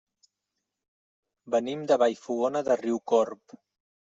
Venim de Vallfogona de Riucorb.